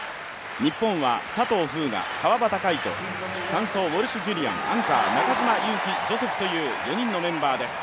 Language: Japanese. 日本は佐藤風雅、川端魁人、３走、ウォルシュ・ジュリアン、アンカー、中島佑気ジョセフというメンバーです。